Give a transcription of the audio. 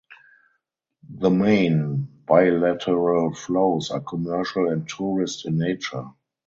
The main bilateral flows are commercial and tourist in nature.